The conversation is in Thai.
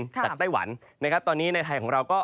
จากไต้หวันตอนนี้ในไทยของเราก็